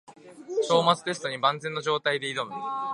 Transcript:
章末テストに万全の状態で挑む